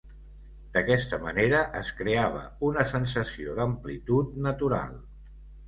D'aquesta manera es creava una sensació d'amplitud natural.